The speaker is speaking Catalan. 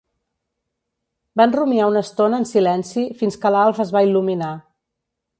Van rumiar una estona en silenci fins que l'Alf es va il·luminar.